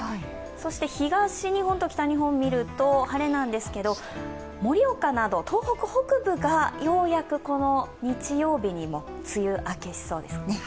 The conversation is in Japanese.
そして東日本と北日本を見ると晴れなんですけど盛岡など東北北部がようやく日曜日にも梅雨明けしそうですね。